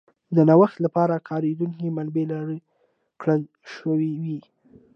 د نوښت لپاره کارېدونکې منابع لرې کړل شوې وای.